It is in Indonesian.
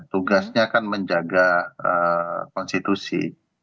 tugasnya kan menjaga konstitusi